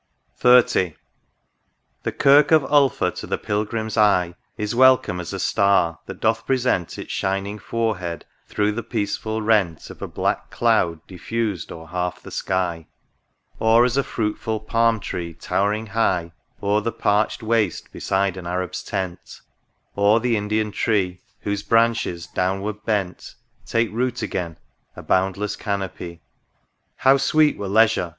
32 THE RIVER DUDDON. The Kirk of Ulpha to the Pilgrim's eye Is welcome as a Star^ that doth present Its shining forehead through the peaceful rent Of a black cloud diffused o'er half the sky ; Or as a fruitful palm tree towering high O'er the parched waste beside an Arab's tent ; Or the Indian tree whose branches, downward bent, Take root again, a boundless canopy. How sweet were leisure